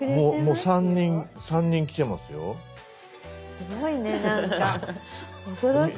すごいねなんか恐ろしい。